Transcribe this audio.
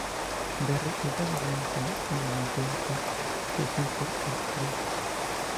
Berry, hija de Ben Selling y de Mathilda Hess, creció en Portland, Oregón.